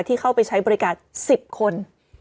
ที่เข้าไปใช้บริการ๑๐คน